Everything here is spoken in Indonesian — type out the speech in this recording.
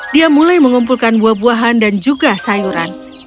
dia mulai mengumpulkan buah buahan dan juga sayuran